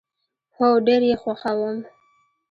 هو، ډیر یی خوښوم